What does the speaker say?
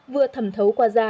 vừa thẩm thấu qua da